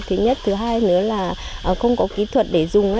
thứ nhất thứ hai nữa là không có kỹ thuật để dùng